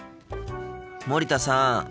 森田さん。